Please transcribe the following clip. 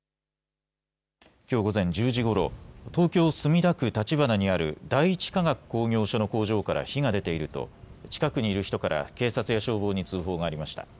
きょう午前１０時ごろ東京墨田区立花にある第一化学工業所の工場から火が出ていると近くにいる人から警察や消防に通報がありました。